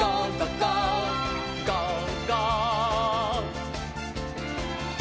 「ゴーゴー！」